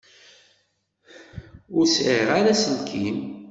Ur sɛiɣ ara aselkim.